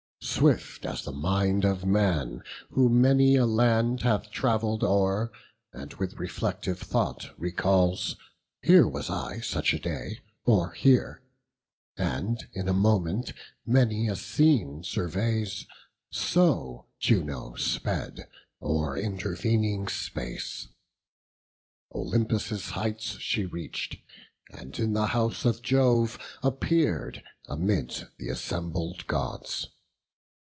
Swift as the mind of man, who many a land Hath travell'd o'er, and with reflective thought Recalls, "here was I such a day, or here," And in a moment many a scene surveys; So Juno sped o'er intervening space; Olympus' heights she reach'd, and in the house Of Jove appear'd amid th' assembled Gods.